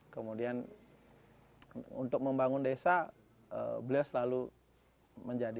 kemudian untuk membangun desa beliau selalu menjadi